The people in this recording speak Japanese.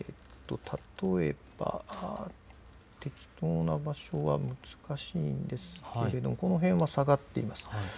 例えば、適当な場所が難しいんですけれどもこの辺は下がっています。